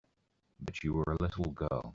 But you were a little girl.